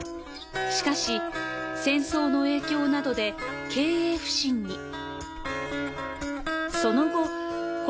しかし戦争の影響などで経営不振に。